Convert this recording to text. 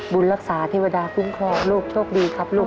บุญรักษาเทวดาคุ้มครองลูกโชคดีครับลูก